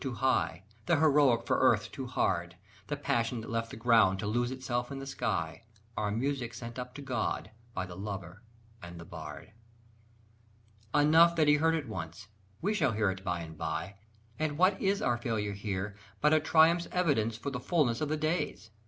The high that proved too high, the heroic for earth too hard, The passion that left the ground to lose itself in the sky, Are music sent up to God by the lover and the bard; Enough that he heard it once: we shall hear it by and by. And what is our failure here but a triumph's evidence For the fulness of the days?